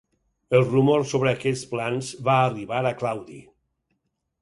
El rumor sobre aquests plans va arribar a Claudi.